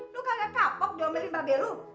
lu kagak kapok dong beli babelu